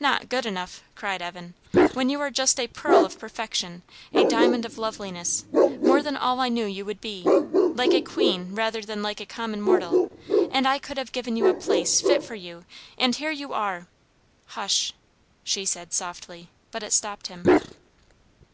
"Not good enough!" cried Evan. "When you are just a pearl of perfection a diamond of loveliness more than all I knew you would be like a queen rather than like a common mortal. And I could have given you a place fit for you; and here you are" "Hush!" she said softly, but it stopped him.